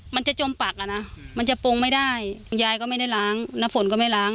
มันจะจมปักอ่ะนะมันจะปรุงไม่ได้คุณยายก็ไม่ได้ล้างน้ำฝนก็ไม่ล้าง